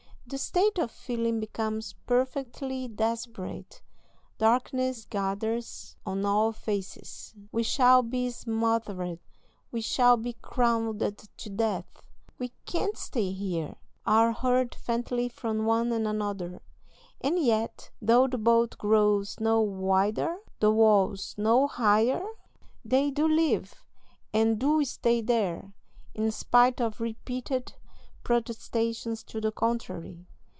The state of feeling becomes perfectly desperate. Darkness gathers on all faces. "We shall be smothered! we shall be crowded to death! we can't stay here!" are heard faintly from one and another; and yet, though the boat grows no wider, the walls no higher, they do live, and do stay there, in spite of repeated protestations to the contrary.